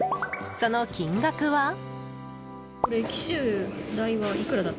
その金額は。